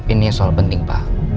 ini soal penting pak